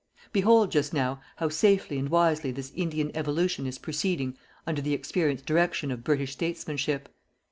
Behold just now how safely and wisely this Indian evolution is proceeding under the experienced direction of British statesmanship.